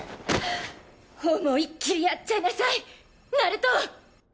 思いっきりやっちゃいなさいナルト！